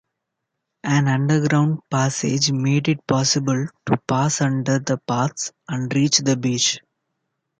An underground passage made it possible to pass under the paths and reach the beach.